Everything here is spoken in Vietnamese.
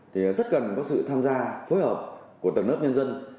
thì rất cần có sự tham gia phối hợp của tầng lớp nhân dân